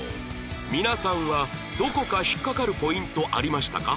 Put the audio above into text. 皆さんはどこか引っかかるポイントありましたか？